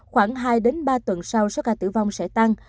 khoảng hai ba tuần sau số ca tử vong sẽ tăng